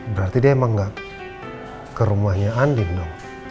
berarti dia emang gak ke rumahnya andin